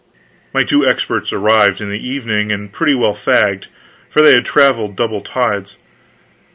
My two experts arrived in the evening, and pretty well fagged, for they had traveled double tides.